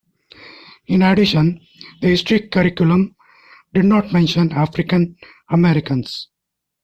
In addition, the history curriculum did not mention African Americans.